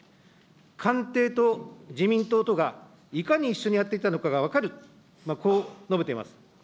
官邸と自民党とがいかに一緒にやってきたのかが分かる、こう述べています。